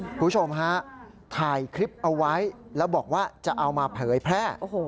คุณผู้ชมฮะถ่ายคลิปเอาไว้แล้วบอกว่าจะเอามาเผยแพร่